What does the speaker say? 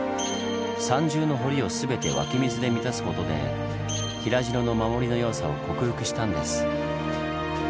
３重の堀を全て湧き水で満たすことで平城の守りの弱さを克服したんです。